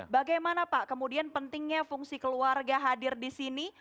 bagaimana pak kemudian pentingnya fungsi keluarga hadir di sini